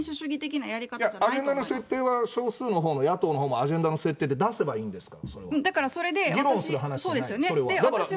いや、アジェンダの設定というのは、少数のほうが野党のほうもアジェンダの設定って出せばいいんですから。